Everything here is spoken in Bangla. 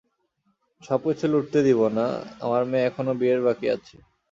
সবকিছু লুটতে দিবো না, আমার মেয়ে এখনো বিয়ের বাকী আছে।